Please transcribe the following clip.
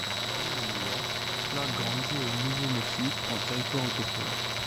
Né à New York, Clarke grandit au Nouveau-Mexique en territoire autochtone.